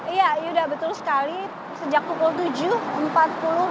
iya sudah betul sekali